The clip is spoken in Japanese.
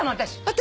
私。